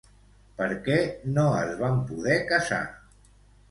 Per què no es van poder casar?